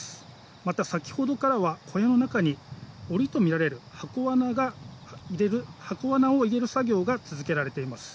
また、先ほどからは小屋の中に檻とみられる箱罠を入れる作業が続けられています。